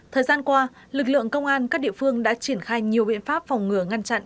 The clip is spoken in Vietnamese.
thời gian qua lực lượng công an các địa phương đã triển khai nhiều biện pháp phòng ngừa ngăn chặn